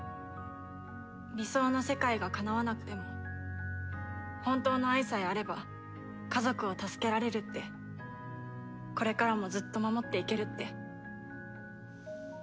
理想の世界がかなわなくても本当の愛さえあれば家族を助けられるってこれからもずっと守っていけるって。